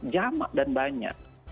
jama dan banyak